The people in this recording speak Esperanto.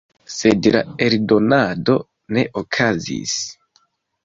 Sed la eldonado ne okazis.